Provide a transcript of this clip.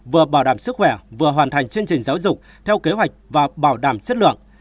vừa bảo đảm sức khỏe vừa hoàn thành chương trình giáo dục theo kế hoạch và bảo đảm chất lượng